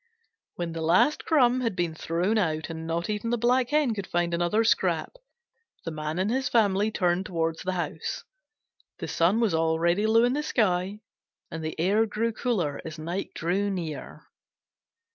When the last crumb had been thrown out and not even the Black Hen could find another scrap, the Man and his family turned toward the house. The sun was already low in the sky, and the air grew cooler as night drew near.